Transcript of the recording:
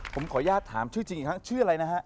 ผมขออนุญาตถามชื่อจริงอีกครั้งชื่ออะไรนะฮะ